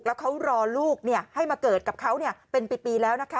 แล้วเขารอลูกให้มาเกิดกับเขาเป็นปีแล้วนะคะ